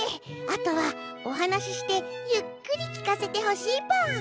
あとはおはなししてゆっくり聞かせてほしいぽん！